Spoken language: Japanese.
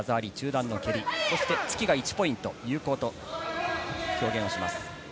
突きが１ポイント有効と表現します。